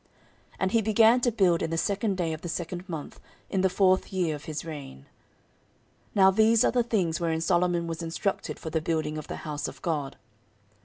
14:003:002 And he began to build in the second day of the second month, in the fourth year of his reign. 14:003:003 Now these are the things wherein Solomon was instructed for the building of the house of God.